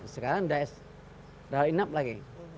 sekarang sudah cukup lagi